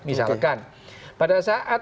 misalkan pada saat